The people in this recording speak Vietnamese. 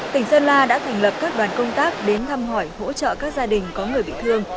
tỉnh sơn la đã thành lập các đoàn công tác đến thăm hỏi hỗ trợ các gia đình có người bị thương